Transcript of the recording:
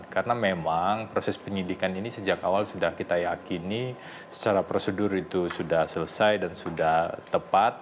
karena memang proses penyidikan ini sejak awal sudah kita yakini secara prosedur itu sudah selesai dan sudah tepat